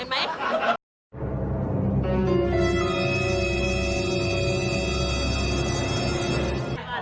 คิดว่าอะไรครับ